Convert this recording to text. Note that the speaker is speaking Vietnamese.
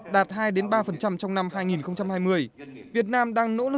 đạt hai ba trong năm hai nghìn hai mươi